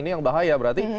ini yang bahaya berarti